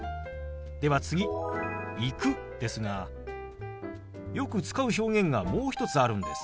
では次「行く」ですがよく使う表現がもう一つあるんです。